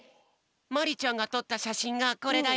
まりちゃんがとったしゃしんがこれだよ。